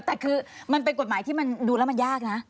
แต่คือมันเป็นกฎหมายที่มันดูแล้วมันยากนะ